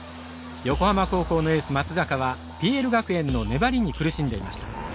横浜高校のエース松坂はＰＬ学園の粘りに苦しんでいました。